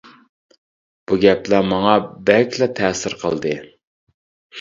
بۇ گەپلەر ماڭا بەكلا تەسىر قىلدى.